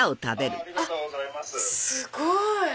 すごい！